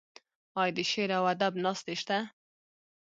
آیا د شعر او ادب ناستې شته؟